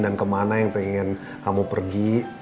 dan kemana yang ingin kamu pergi